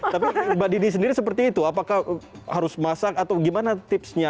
tapi mbak didi sendiri seperti itu apakah harus masak atau gimana tipsnya